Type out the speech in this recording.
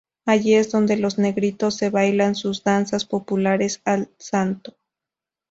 Allí es donde los "negritos" le bailan sus danzas populares al santo.